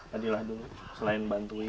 fadila dulu selain bantuin